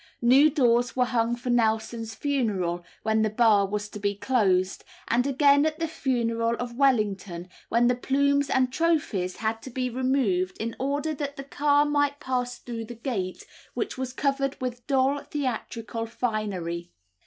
New doors were hung for Nelson's funeral, when the Bar was to be closed; and again at the funeral of Wellington, when the plumes and trophies had to be removed in order that the car might pass through the gate, which was covered with dull theatrical finery.